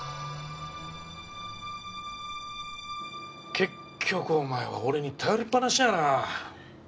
結局お前は俺に頼りっぱなしやな。